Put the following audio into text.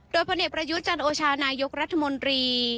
โดยพลเอกประยุทธ์จันโอชานายกรัฐมนตรี